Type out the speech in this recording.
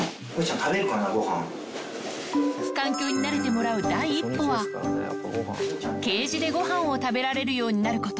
環境に慣れてもらう第一歩は、ケージでごはんを食べられるようになること。